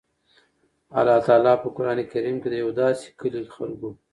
الله تعالی په قران کريم کي د يو داسي کلي خلکو